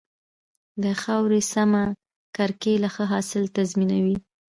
د خاورې سمه کرکيله ښه حاصل تضمینوي.